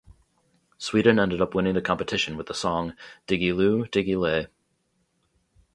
Sweden ended up winning the competition with the song "Diggi-Loo Diggi-Ley".